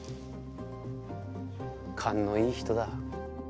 勘のいい人だ。